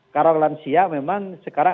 karena lansia memang